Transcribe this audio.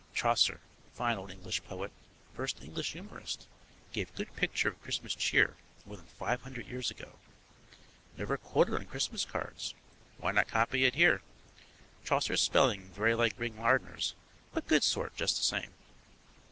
Chaucer, fine old English poet, first English humorist, gave good picture of Christmas cheer more than five hundred years ago. Never quoted on Christmas cards, why not copy it here? Chaucer's spelling very like Ring Lardner's, but good sort just the same.